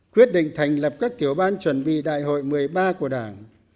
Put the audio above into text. quyết định thành lập các tiểu ban chuẩn bị đại hội một mươi ba của đảng